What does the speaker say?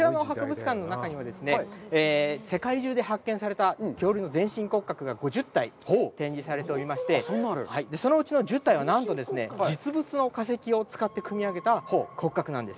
こちらの博物館の中には、世界中で発見された恐竜の全身骨格が５０体、展示されておりまして、そのうちの１０体は実物の化石を使った骨格なんです。